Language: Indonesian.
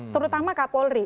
terutama kak polri